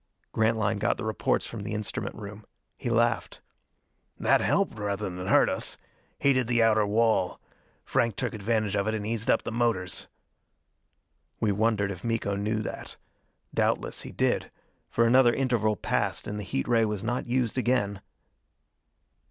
Grantline got the reports from the instrument room. He laughed. "That helped rather than hurt us. Heated the outer wall. Frank took advantage of it and eased up the motors." We wondered if Miko knew that. Doubtless he did, for another interval passed and the heat ray was not used again.